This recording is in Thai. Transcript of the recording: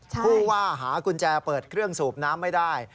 ผู้ว่าหากุญแจเปิดเครื่องสูบน้ำไม่ได้